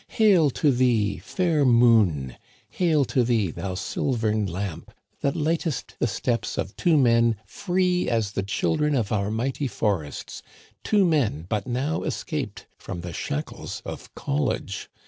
Hail to thee, fair moon ! Hail to thee, thou silvern lamp, that lightest the steps of two men free as the children of our mighty forests, two men but now escaped from the shackles of college